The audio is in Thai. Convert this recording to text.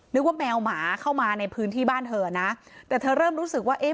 นึกว่าแมวหมาเข้ามาในพื้นที่บ้านเธอนะแต่เธอเริ่มรู้สึกว่าเอ๊ะ